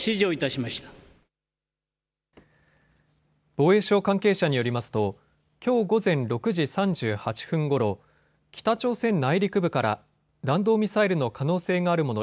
防衛省関係者によりますときょう午前６時３８分ごろ、北朝鮮内陸部から弾道ミサイルの可能性があるもの